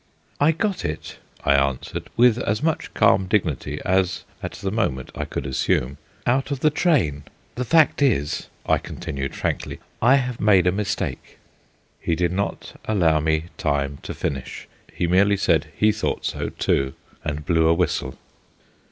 "I got it," I answered, with as much calm dignity as at the moment I could assume, "out of the train." "The fact is," I continued, frankly, "I have made a mistake." He did not allow me time to finish. He merely said he thought so too, and blew a whistle.